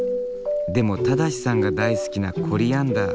でも正さんが大好きなコリアンダー。